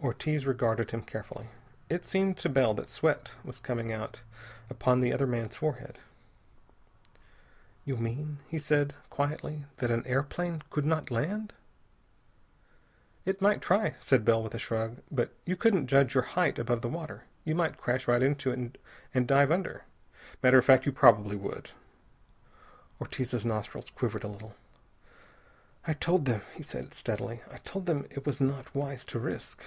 Ortiz regarded him carefully. It seemed to Bell that sweat was coming out upon the other man's forehead. "You mean," he said quietly, "that an airplane could not land?" "It might try," said Bell with a shrug. "But you couldn't judge your height above the water. You might crash right into it and dive under. Matter of fact, you probably would." Ortiz's nostrils quivered a little. "I told them," he said steadily, "I told them it was not wise to risk...."